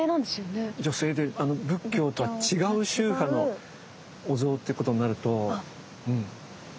女性で仏教とは違う宗派のお像ってことになると。